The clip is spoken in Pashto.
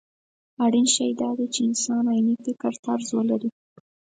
اړين شی دا دی چې انسان عيني فکرطرز ولري.